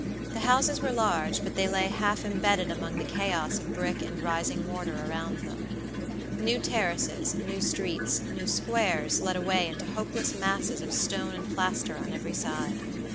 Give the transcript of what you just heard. The houses were large, but they lay half imbedded among the chaos of brick and rising mortar around them. New terraces, new streets, new squares led away into hopeless masses of stone and plaster on every side.